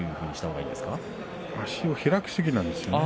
足を開きすぎなんですよね。